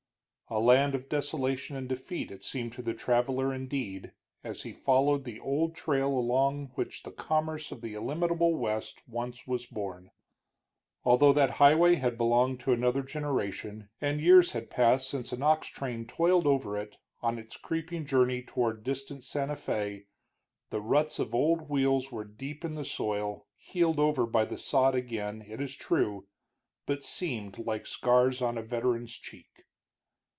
A land of desolation and defeat it seemed to the traveler, indeed, as he followed the old trail along which the commerce of the illimitable West once was borne. Although that highway had belonged to another generation, and years had passed since an ox train toiled over it on its creeping journey toward distant Santa Fé, the ruts of old wheels were deep in the soil, healed over by the sod again, it is true, but seamed like scars on a veteran's cheek.